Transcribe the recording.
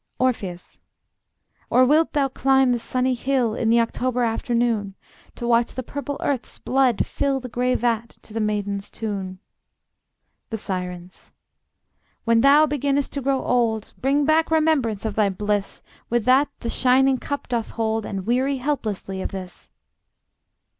Orpheus: Or wilt thou climb the sunny hill, In the October afternoon, To watch the purple earth's blood fill The gray vat to the maiden's tune? The Sirens: When thou beginnest to grow old, Bring back remembrance of thy bliss With that the shining cup doth hold, And weary helplessly of this.